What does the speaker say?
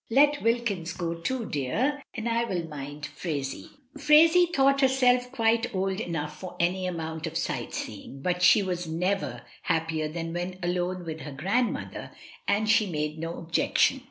Let Wilkins go too, dear, and I will mind Phraisie." Phraisie thought herself quite old enough for any amount of sightseeing, but she was never hap pier than when alone with her grandmother, and she made no objection.